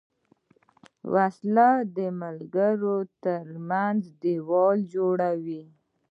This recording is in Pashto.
وسله د ملګرو تر منځ دیوال جوړوي